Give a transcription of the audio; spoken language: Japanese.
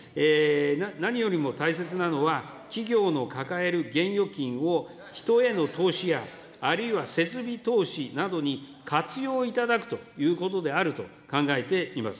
何よりも大切なのは、企業の抱える現預金を人への投資や、あるいは設備投資などに活用いただくということであると考えています。